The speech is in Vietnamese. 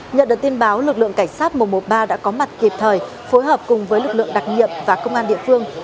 nhận được tin báo lực lượng cảnh sát một trăm một mươi ba đã có mặt kịp thời phối hợp cùng với lực lượng đặc nhiệm và công an địa phương